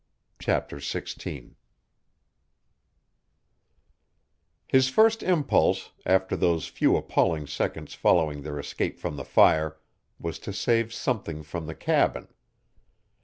CHAPTER XVI His first impulse, after those few appalling seconds following their escape from the fire, was to save something from the cabin.